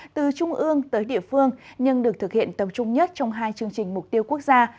từ trung ương tới địa phương nhưng được thực hiện tầm trung nhất trong hai chương trình mục tiêu quốc gia